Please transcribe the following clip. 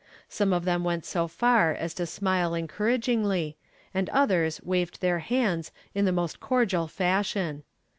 Some of them went so far as to smile encouragingly, and others waved their hands in the most cordial fashion.